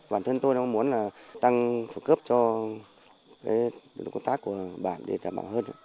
bản thân tôi cũng muốn là tăng phần cấp cho lực lượng công tác của bản để đảm bảo hơn